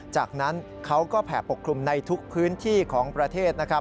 จากนั้นเขาก็แผ่ปกคลุมในทุกพื้นที่ของประเทศนะครับ